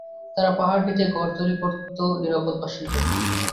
তারা পাহাড় কেটে ঘর তৈরি করত নিরাপদ বাসের জন্যে।